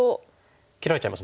切られちゃいますもんね。